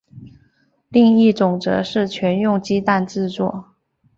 另一种则是全用鸡蛋制造。